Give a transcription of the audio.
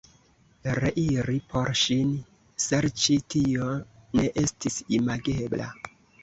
Reiri por ŝin serĉi, tio ne estis imagebla.